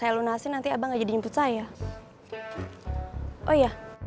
gak barang nyambung diri bang